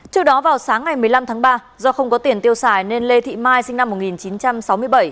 trước đó vào sáng ngày một mươi năm tháng ba do không có tiền tiêu xài nên lê thị mai sinh năm một nghìn chín trăm sáu mươi bảy